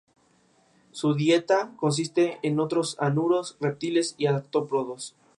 La moneda habitualmente usada es el rublo ruso.